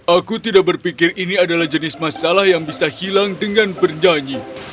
aku tidak berpikir ini adalah jenis masalah yang bisa hilang dengan bernyanyi